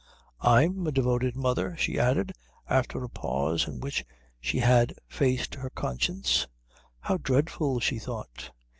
"I'm a devoted mother," she added, after a pause in which she had faced her conscience. "How dreadful!" she thought.